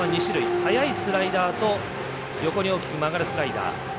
速いスライダーと横に大きく曲がるスライダー。